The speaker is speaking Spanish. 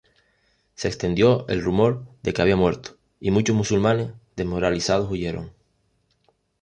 Se extendió el rumor de que había muerto y muchos musulmanes, desmoralizados, huyeron.